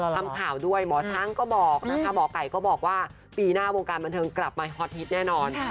ทำข่าวด้วยหมอช้างก็บอกนะคะหมอไก่ก็บอกว่าปีหน้าวงการบันเทิงกลับมาฮอตฮิตแน่นอน